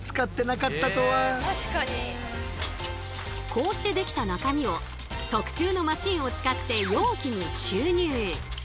こうしてできた中身を特注のマシンを使って容器に注入。